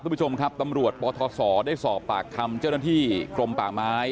คุณผู้ชมครับตำรวจปทศได้สอบปากคำเจ้าหน้าที่กรมป่าไม้